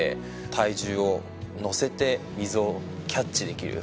体重を乗せて水をキャッチできる。